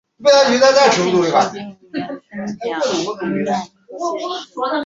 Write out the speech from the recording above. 嘉庆十九年登甲戌科进士。